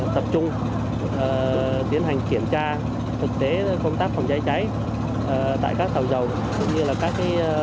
tập trung tiến hành kiểm tra thực tế công tác phòng cháy cháy tại các tàu dầu cũng như là các